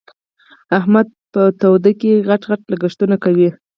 احمد په توده کې؛ غټ غټ لګښتونه کوي.